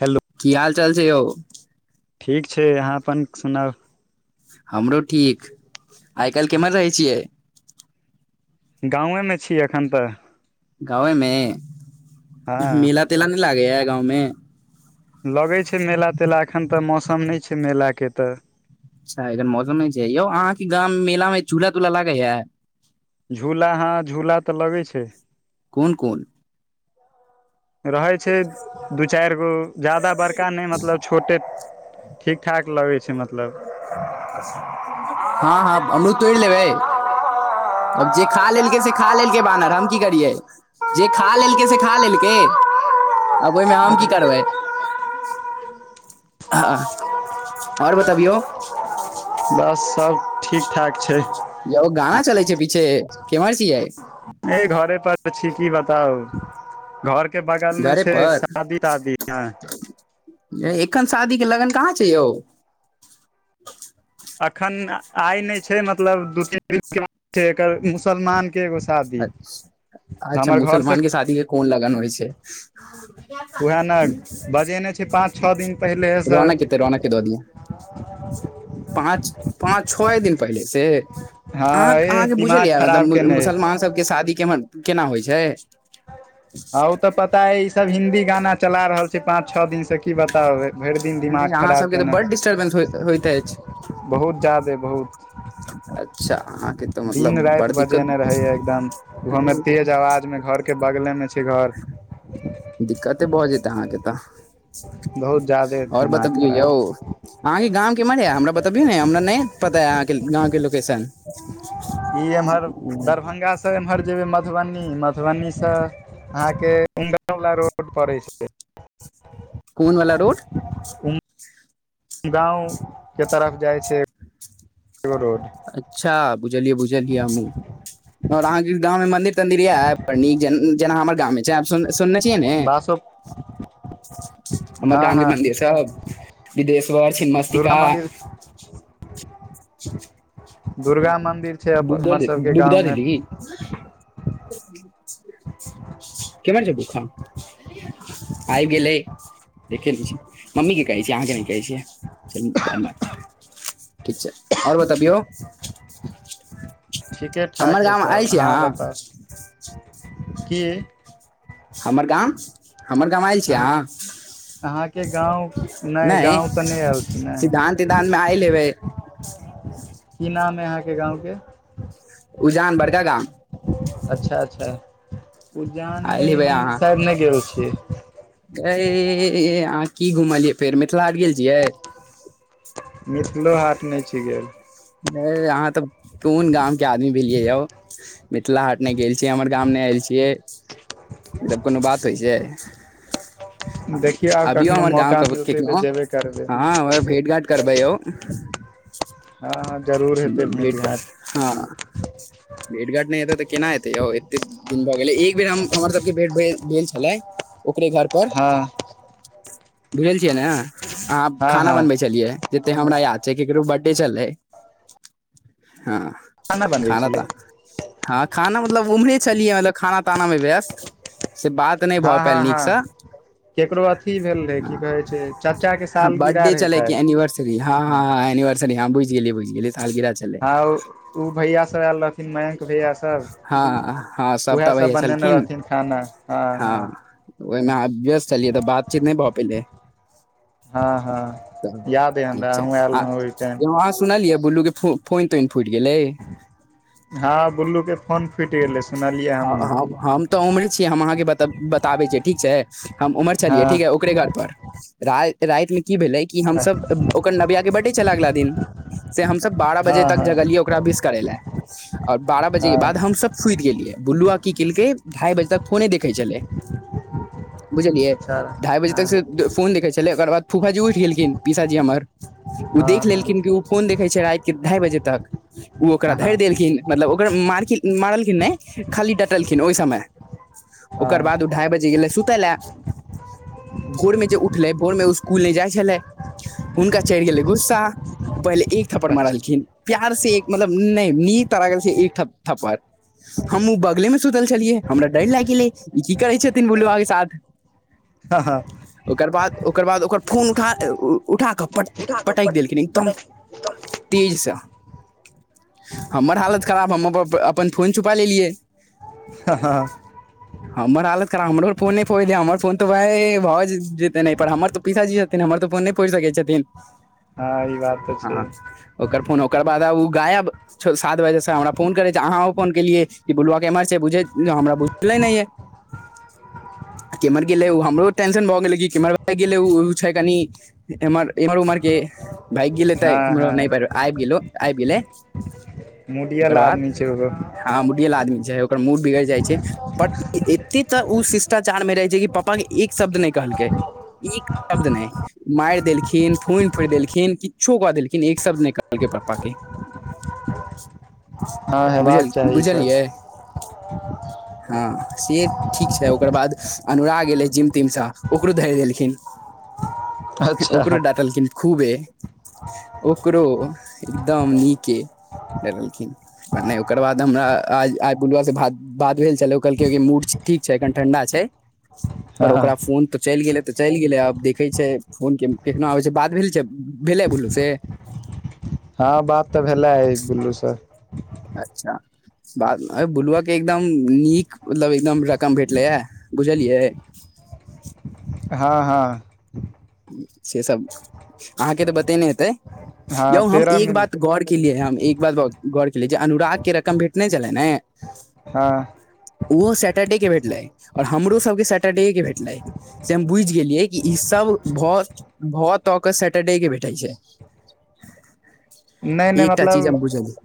Hello की हाल चाल छै यौ ठीक छै अहाँ अपन सुनाउ हमरो ठीक आइ काल्हि किमहर रहै छियै गांवे मे छी एखन तऽ गाँवेमे हँ मेला तेला नै लागै या गाँव मे लगै छै मेला तेला एखन तऽ मौसम नै छै मेलाके तऽ अच्छा [unintelligible] मौसम नै छै यौ अहाँके गाम मेला मे चूला तूला लागै या झूला हँ झूला तऽ लगै छै कोन कोन रहै छै दू चारि गो जदा बड़का नै मतलब छोटे ठीक ठाक लगै छै मतलब हँ हँ अमरूद तोड़ि लेबै आब जे खा लेलकै से खा लेलकै बानर हम की करियै जे खा लेलकै से खा लेलकै आब ओइमे हम की करबै हँ आओर बतबियौ बस सब ठीकठाक छै यौ गाना चलै छै पीछे केमहर छियै नै घरे पर छी कि बताउ घर के बगल मे घरे छै पर शादी तादी नाय एखन शादीे लगन कहाँ छै यौ अखन आइ नै छै मतलब दू तीन दिन के बाद छै एकर मुसलमान के एगो शादी तऽ अच् अच्छा हमर घर से मुसलमान के शादी के कोन लगन होइ छै वहए न बजेने छै पाँंच छ दिन पहिले रोनाक एतै रोनके दऽ दियाँ पाँच पाँच छय दिन पहिले से हँ अहाँ ए अहाँके बुझलय दिमाग यए खराब मतलब केने अइ। मुसलमान सबके शादी केर केना होइ छै ह ओ तऽ पता अई ई सब हिन्दी गाना चला रहल छै पाँंच छओ दिन से की बताउ भरि दिन दिमाग अरे अहाँ खराब सबके तऽ केने बड डिस्टर्बेंस होइत अछि बहुत जादे बहुत अच्छा अहाँके तऽ दिन मतलब बड़ राति बजेने दिक्कत रहैया एकदम उहोमे तेज आवाज मे घर के बगलेमे छै घर दिक्कते भऽ जेतै अहाँके तऽ बहुत जादे आओर दिमाग बतबियौ खराब यौ अहाँके गामव केमर य हमरा बतबियौ न हमरा नै पता य अहाँके गाँंमके लोकेशन ई एम्हर दरभंगा स एम्हर जेबे मधुबनी मधुबनी से आहा के उर वाला रोड पड़े छै कोनवला रोड गांव के तरफ जाय छै रोड अच्छा बुझलियै बुझलियै हमहूँ आऔर अहाँके गाँव मे मंन्दिर तंदिर आव आओरइ नीक जैना जेना हमर गाममे छै आब सुनने सुनने छियै ने बासो हमर हँ गांधी हँ मन्दिर स बिदेश्वर दुर्गा छिमस्तिका मन्दिर दुर्गा मदिर छै हमर सबके गाँवमे [inaudible] ह [inaudible] कैम हट छै बूखा आबे गेलै देखे नै छी मम्मीके कहै छिय अहाँके नैय कहै छियै चलु न धनवाद ठीक छै आओर बतबियौ ऽ ठीके ठाक य सब आहाँ बताउ कीऽ हमर गाम। हमर गाम आयल छी अहाँ अहाँके गाँव नहि नय गाँव तऽ नहि आयल छी ने सिधांत सिधांत मे आयल हैवे की नाम है अहाँके गाँंवके उजान बड़का गाँव अच्छा अच्छा उजान आयल नैय हेबै हमब नैय गेल छि एऽऽअहाँ की घुमलियै फेर मिथिला हाट गेल छियै मिथिलो हाट नैय छी गेल भैऽ ऐअहाँ त कोन गामके आदमी भेलियै यौ मिथिला हाट नैय गेल छियै हमर गाम नैय आएल छियै ई सब कोनो बात होइ छैय देखियौ आब अबियौ कखनो हमर गाँव मौका कवो मिलतै तऽ कखनो जेबे करबै भेट घांट करबै यौ हँ हँ जरूर हेतै भेंट घाट हं भेट घाट नै हेतै त केना हेतै यौ ऐते दिन भऽ गेलै एक बेर हम हमर सबके भेंट भेल छलै ओकरे घर पे हँ पर भैल छियै ने अहाँ हँ खाना हँ बनबै छलियै जते हमरा याद छै ककरो बर्थडे छलैऽ खाना बनबै हँऽखाना छलै तऽ हँ खाना मतलब ओम्हरे छलियै मतलब खाना ताना में व्यस्त से बात नैयभ हँ हँ पाएल हँ नीकस केकरो अथी भेल रहै की कहै छै चच्चाके सालगिरह रहै शायद हं ऽहं ऽ हं एनवर्सरी हम बुझि गेलिअइ बुझि गेलिअइ सालगिरह छलै हँ ऊ ऊ भैया सब आयल रहथिन मयंक भैया हँ हँ सब उएह सभटा सब भैया बनेने छलखिन रहथिन खाना हँ हँऽहँ ओहिमे अहां व्यस चलियै त बातचीत नैय भ पेलै हँ त हँ याद अइ ठीक हमरा छै अहूँ आयल आऽ रहौं ओहि टाइम ऊहा स सुनलियै बूल्लूके फोन फोइन तोइन फुटि गेलैए हँ बु्लू के ऽ फोन फुटि गेलै सुनलियै हँ हमहूँ हँ हम त ओहरे छियाईहम अहाँके बत बताबै छिअइ ठीक छै हम ओम्हर छलियै ठीक है हँ ओकरे घर पर राइ राते में की भेलै की हमसब ब ओकर नबिया के बरडे छलै अगला दिन से हमसब बारह बजे हँ तक हँ जगलियै ओकरा विस करै लाऽ आओर बारह बजेके बाद हँ हमसब सुति गेलियै बु्लुआ की केलकै ढ़ाई बजे तक फोने देखै छलै बुझलियै अच्छा ढाई बजे हँ तक से फोन देखे छलै ओकर बाद फुफाजी उठि गेलखिन पीसाजी हमर हँ ओ देख हँ लेलखिन कि ओ फोन देखे छै रातिके ढाई बजे तक ओ ओकरा हँ हँ धरि देलखिन मतलब ओकरा मारलखिन नहि खाली डटलखिन ओहि समय ओकर बाद ओ हँ ढाई बजे गेलै सुतै लाऽ भोरमे जे उठलै भोरमे ओ स्कूल नै जाइ छलै हुनका चढ़ि गेलै गुस्सा पहिले एक थपड़ अच्छा मारलखिन प्यार से एक मतलब नहि नीत लगैलखिन एक थप्पड़ हमहूँ बगले सुतल छलियै हमरा डर लागि गेलै ई की करै छथिन बुलुआके साथ [inaudible] हाँ -ह ओकर बाद ओकर बाद ओकर फोन उठा- उठाक पट- उठा कऽ पटकि पट देलखिन एकदम पटक तेजसँ हमर हालत खराब हम अप- अपन फोन छुपा लेलियै ह-हँ-ह हमर हालत खराब हमरो फोन नहि फोरि दे हमर फोन तऽ ओहाए एय भऽ जे जैतनि एहिपर हमर तऽ पिसाजी छथिन हमर तऽ फोन नहि फोरि सकै छथिन हँ ई बात तऽ छै हाँ ओकर फोन ओकर बाद ओ गाएब सात बजेसँ हमरा फोन करै छै अहाँ आउ फोन केलियै कि बोलुआ केमहर छै बुझय हमरा बुझले नहि यै आ केम्हर गेलै ओ हमरो टेंशन भऽ गेलै कि केम्हर भागि गेलै उ उ छै कनि एम एम्हर उम्हरके भागि गेल हँ हेतय केम्हरो हँ नहि पर आबि गेल ओ आबि गेलै मुडियल ओकर बाद आदमी छै ओहो हाँ मुडियल आदमी छै ओकर मूड बिगरि जाइ छै बट एते तऽ ओ शिष्टाचारमे रहै छै की पप्पाके एक शब्द नै कहलकै एक शब्द नहि मारि देलखिन फोन फोड़ि देलखिन किछो कऽ देलखिन एक शब्द नहि कहलकै पप्पाके हँ हेबाक चाही ई बुझल-बुझलियै सब हाँ से ठीक छै ओकर बाद अनुराग एलै जिम तिमसँ ओकरो धरि देलखिन अच्छा ओकरो डटलखिन खूबे ओकरो एकदम नीके डलखिन नहि ओ ओकर बाद हमरा आइ-आइ बुलुआसे बात-बात भेल छलाह कहलकै मूड ठीक छै एखन ठंडा छै पर हँ ओकरा फोन तऽ चलि गेलै तऽ चलि गेलै आब देखै छै फोनके एखनो आबै छै बात भेल छै भेलै बोलूसे हाँ बात तऽ भेलै आइ बुल्लूसँ अच्छा बादमे आइ बुलूआके एकदम नीक मतलब एकदम रकम भेटलै याऽ बुझलियै हाँ हाँ सेसब अहाँके तऽ बतेने हेतै हँ यौ हम तेरह एक मिल बात गौरऽ केलियै हम एक बात गौर केलियै जे अनुरागके रकम भेटने छला ने हाँ ओहो सैटरडेके भेटलै आओर हमरो सबके सैटरडेके भेटलै से हम बुझि गेलियै कि इसब भऽ भऽ तऽकऽ सटरडेके भेटै छै नहि नहि एकटा चीज हम मतलब बुझलियै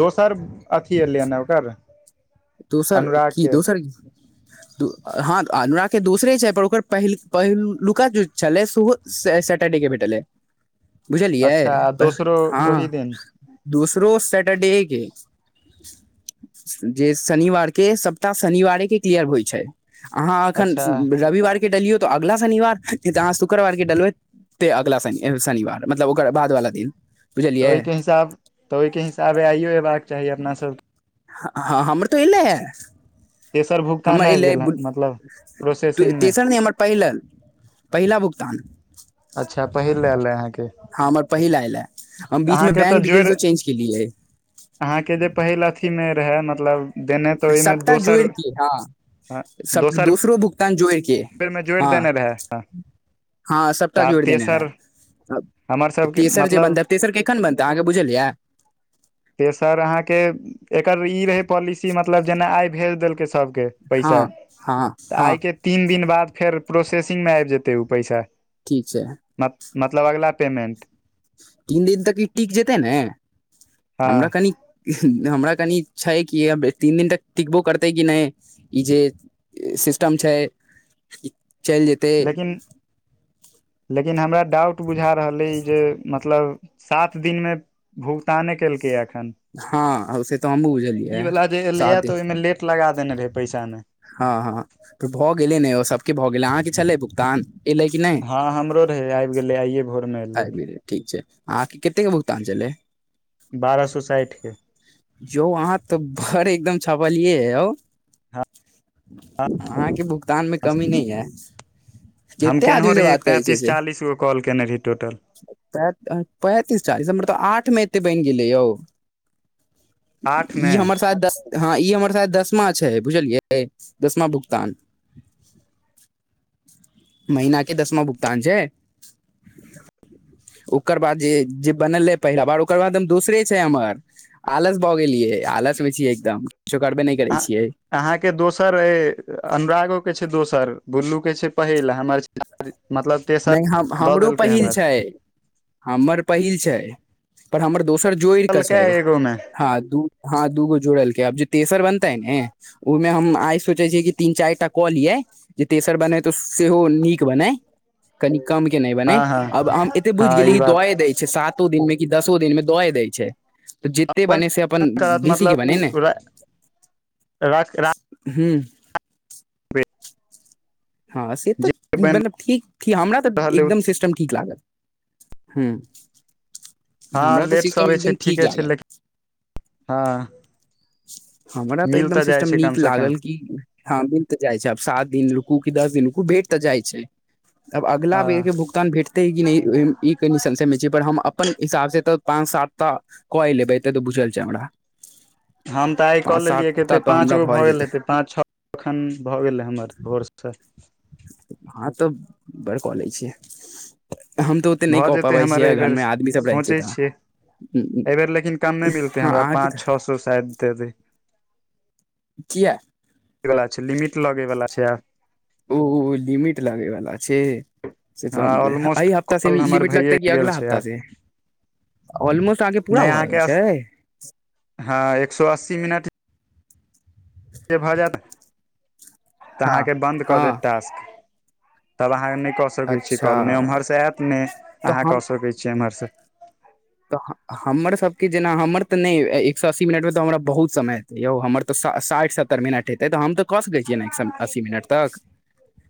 दोसर अथी एले न ओकर दोसर की अनुरागके दोसर [inaudible] हँ [unintelligible] अनरा क के दोसरे छै पर ओकर [unintelligible] पहिल पहिलुका जे छलै सेहो से सटरडे के भेटलै [inaudible] बुझलियै अच्छा आ [unintelligible] दोसरो हँ ओही दिन दूसरो सटरडे ए केँ हे [unintelligible] जे शनिवार केँ सप्ताह शनिवारे केँ क्लियर होइ छै अहाँ अखन अच्छा रविवार केँ डालियौ अगला शनिवार जहाँ शुक्रवार केँ डलबै ते अगला शनि शनिवार मतलब ओकर बाद वाला दिन तऽ बुझलियै ओइकेँ हिसाब तऽ ओइकेँ हिसाबे आइयो ऐबाक चाही अपना सभ केँ [unintelligible] हमर तऽ ऐले तेसर भुगतान हमर आबि एलै गेल हँ मतलब प्रोसेसिंग [inaudible] मे तेसर नै हमर पैहिलन [inaudible] पहिला भुगतान अच्छा पहिल लेल रहै अहाँ केँ हँ हमर पहिला ऐल अ है हम बीच में बैंक डिटेलसो चेंज केलियै अहाँकेँ जे पहिल अथी में रहे मतलब देने तऽ ओहिमे सपटा दोसर जोड़ की हँ सब दोसर दोसरो भुगतान जोड़ केँ बेर मे जोड़ि हँ देने रहै हँ तऽ सबटा आब जोड़ देने तेसर रहैै हमर [inaudible] सबके तेसर जे मतलब बदे तेसर केँ कखनै बनतै अहाँ बुझलियै हे ओ सर अहाँ केँ एकर ई रहे पॉलिसी मतलब जेना आइब भेज देलकै सब केँ पैसा हँ हँ [inaudible] हँ आइ केँ तीन दिन बाद फेर प्रोसेसिंग में आइब जेतै ओ पैसा ठीक छै मत मतलब अगला पेमेन्ट तीन दिन तक ई टिक जेतै ने [inaudible] हँ हमरा कनि हमरा कनि छै कि तीन दिन तक टिकबो करतै कि नै ई जे सिस्टम छै [inaudible] चैल जे लेकिन [inaudible] लेकिन हमरा डाउट बुझा रहल अइ जे मतलब सात दिन में भूगतैने केलकै ए एखन हँ से तऽ हमहूँ [inaudible] ई बुझलियै वाला जे एले सात य दिन तऽ ओइमे लेट लगा देने रहे पैसा ने हँ हँ तऽ भऽ गेले न ओ सब केँ भऽ गेलै अहाँ कऽ छलै भुगतान एलै कि नै हँ हमरो रहे आइब गेलै आइए भोरमे एलै आइब गेलै ठीक छै अहाँकेँ कतेक भुगतान छलै बारह सौ साइठ केँ जो अहाँ तऽ भर एकदम छपलिय यौ हँ [inaudible] अहाँकेँ भुगतान में कमी नै या हम केनहो रहियै पैंतीस चालीस गो कॉल केने रहियै टोटल [unintelligible] पैंतीस चालीस हमर तब आठमे एते बैन गेलै यौ ई आठमे हमर साथ दस हँ ई हमर साथ दसमा छै बुझलियै दसमा भुगतान महिना केँ दसमा भुगतान छै [inaudible] ओकर बाद जे जे बनल रहै पहिला बार ओकर बाद दोसरे छै हमर आलस भऽ गेलियै आलस में छियै एकदम किछो करबे नै करै छियै अहाँकेँ दोसर अइ अनुरागो केँ छै दोसर बुल्लूके छै पहिल हमर मतलब तेसर नै हम हम दऽ हमरो देलकै पहिल हमर छै हमर पहिल छै पर हमर दोसर जोड़ि कऽ देलकै सैय एगो मे हँ दू हँ दूगो जुड़लकै आब जे तेसर बनतै ने ओइमे हम आइ सोचे छियै कि तीन चारि टा कऽ लियै जे तेसर बनय तऽ सेहो नीक बनय कनी कम के नै बनै हँ हँ अब हम एते बुझ हँ गेली ई कि हम द बात ये दै सातो दिन मे कि दसो दिन मे दए दै छै तऽ जिते बनै से अपन करत बेसी के बनै ने मतलब राख राख हूँ हँ से तऽ जे बनि मतलब ठीक कि हमरा तऽ रहल एकदम सिस्टम ठीक लागल हूँ हँ लेटसँ अबै छै ठीके छै लागल लेकिन हँ हमरा तऽ मिल एकदम जाइ सिस्टम छै कम नीक से कम लागल की हँ मिल तऽ जाइ छै आब सात दिन रुकु कि दस दिन रुकू भेट तऽ जाइ छै अब अगला हँ बेर के भु कन भेटतै कि नई ई कनि संशय मे छै पर हम अपन हिसाब से तऽ पाँन सात टा क ये लेबई ई त बुझलछैय हमरा हम तऽ आइ कऽ पाँच सात लेलियै टा कते तऽ हमरा पाँच गो भए भऽ जेतै गेल हेते पाँच छ कखन भऽ गेलयै हमर भोरसँ हँ तऽ बड़ क लै छियै हम तऽ ओते नै भऽ कऽ जेतै पाबै हमर छियै एहि बेर घरमे आदमी सब रहै छैै सोचै तऽ छियै एहिबेर लेकिन कमे मिलतै हँ हमरा अहाँके पाँच तऽ छ सो शायद द दै किया वला छै लिमिट लगै वला छै आब उ लिमिट लगैवला छै से त हम ऑलमोस्ट एई हफ्ता से कॉल हमर लिमिट भइए लगतै कि गेल अगा छै हफ्ता से आब ऑलमोस अहाँके पूरा नहि भऽ गेल अहाँके छै हँ एक सो अस्सी मिनट के भऽ जायत तऽ हँ अहाँके बन्द कऽ देत हँ टास्क तब अहाँ नै कऽ सकै छीयै अच्छा कॉल नै ओम्हरसँ आयत ने तऽ अहाँ हम कऽ सकै छीयै एम्हरसँ तऽ हमर सबके जेना हमर त नै एक सए अस्सी मिनट मे तो हमरा बहुत समय यौ हमर त सा साठि सत्तरि मिनट हेतै तऽ हमरऽ त कऽ सकै छियै एक अस्सी मिनट तक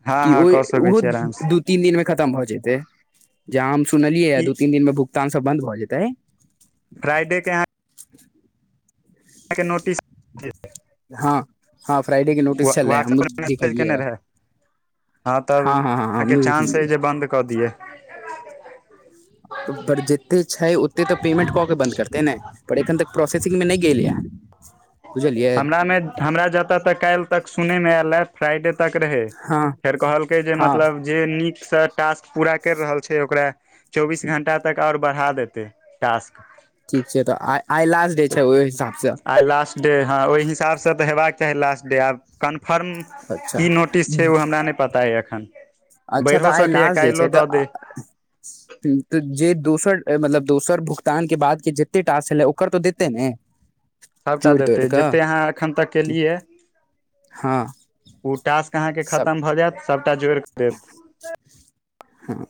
हँ कि हँ ओय कऽ सकै ओहो छी आरामसँ दू तीन दिन मे खतम भऽ जेतै जहाँ हम सुनलियै या ई दू तीन दिन मे भुगतान सब बंद भए जेतेै फ्रइडेके आहाँ के नोटिस ठि हँ हँ फ्राइडे के नोटिस छलै वहाट्सप हमहूँ पर मैसेज केने देखलियै रहए हँ तऽ हँ हँ आहाँ के हमहूँ चान्स अय देखलियै जे बन्द कऽ दियै त पर जत्ते छै ओत्ते तऽ पेमेंट द कऽ बन्द करतै ने पर एखन तक प्रोसेसिंग मे नय गेलै या हमरा मे हमरा जतऽ तक काईल‌ तक सुनय मे एला फ्राइडे तक रहै हँ फेर कहलकै जे हँ मतलब जे नीकसँ टास्क पूरा करि रहल छै ओकरा चौबीस घण्टा तक आउरा बड़हा देतै टास्क ठीक छै तऽ आइ आई लाल आइ लास्ट डे हँ ओई हिसाबसँ तऽ हेबाक चाही लास्ट डे आब कन्फर्म की नोटिस अच्छा छै ओ हमरा नै पता यऽ एखन अच्छा तऽ बढ़िओ आइ सकैए लास्ट डे काल्हिओ छै तऽ दऽ दै तऽ जे दोसर मतलब दोसर भुगतान केँ बाद केँ जते टास्क छलै ओकर तऽ देतै ने सबटा जोड़ि तोड़ि देतै कऽ जते अहाँ एखन तक केलियै हँ उ टास्क अहाँकेँ सब खतम भऽ जैत सबटा जोड़ कऽ देत हँ